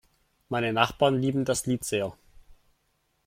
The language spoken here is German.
Meine Nachbarn lieben das Lied sehr.